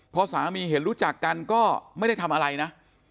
พอสามีเห็นรู้จักกันก็ไม่ได้ทำอะไรนะ